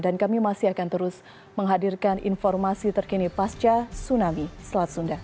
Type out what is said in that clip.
dan kami masih akan terus menghadirkan informasi terkini pasca sunami selat sunda